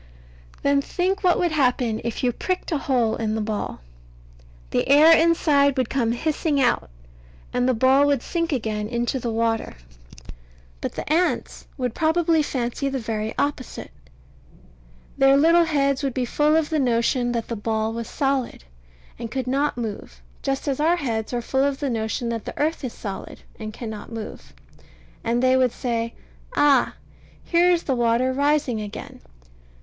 Then think what would happen if you pricked a hole in the ball. The air inside would come hissing out, and the ball would sink again into the water. But the ants would probably fancy the very opposite. Their little heads would be full of the notion that the ball was solid and could not move, just as our heads are full of the notion that the earth is solid and cannot move; and they would say, "Ah! here is the water rising again."